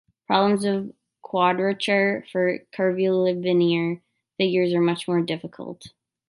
Problems of quadrature for curvilinear figures are much more difficult.